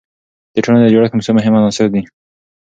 د ټولنې د جوړښت څو مهم عناصر څه دي؟